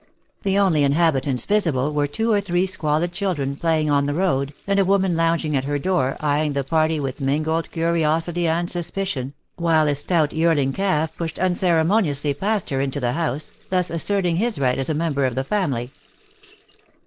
The only inhabitants visible were two or three squalid children, playing in the road, and a woman lounging at her door, eyeing the party with mingled curiosity and suspicion, while a stout yearling calf pushed unceremoniously past her into the house, thus asserting his right as a member of the family.